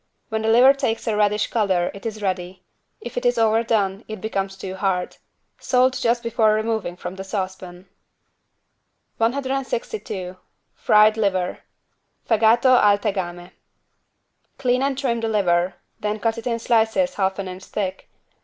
When the liver takes a reddish color it is ready. If it is overdone, it becomes too hard. Salt just before removing from the saucepan. 162 FRIED LIVER (Fegato al tegame) Clean and trim the liver, then cut in slices half an inch thick.